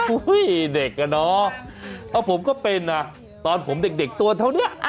เด็กอ่ะเนาะผมก็เป็นนะตอนผมเด็กตัวเท่านี้